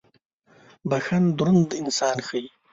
• بخښن دروند انسان ښيي.